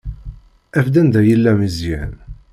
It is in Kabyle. Af-d anda yella Meẓyan.